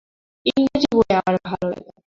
ইংরেজি বই আমার ভালো লাগে না।